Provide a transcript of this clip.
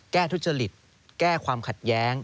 ทุจริตแก้ความขัดแย้ง